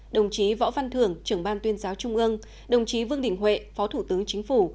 đồng chí võ văn thưởng trưởng ban tuyên giáo trung ương đồng chí vương đình huệ phó thủ tướng chính phủ